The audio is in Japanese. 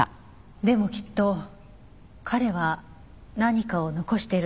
でもきっと彼は何かを残しているんだと思います。